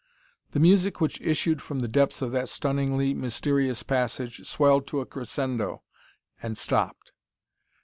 The music which issued from the depths of that stunningly mysterious passage swelled to a crescendo and stopped.